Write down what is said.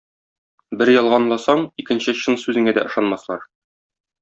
Бер ялганласаң, икенче чын сүзеңә дә ышанмаслар.